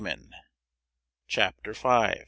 CHAPTER V.